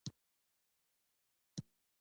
سیلابونه د افغانستان د پوهنې په نصاب کې شامل دي.